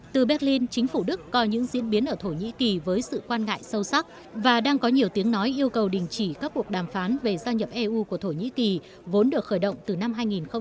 từ berlin chính phủ đức coi những diễn biến ở thổ nhĩ kỳ với sự quan ngại sâu sắc và đang có nhiều tiếng nói yêu cầu đình chỉ các cuộc đàm phán về gia nhập eu của thổ nhĩ kỳ vốn được khởi động từ năm hai nghìn một mươi